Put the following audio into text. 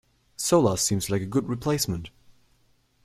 Solar seems like a good replacement.